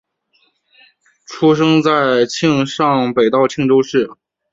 出生在庆尚北道庆州市。